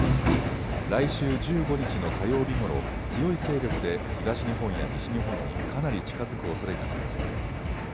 来週１５日の火曜日ごろ強い勢力で東日本や西日本にかなり近づくおそれがあります。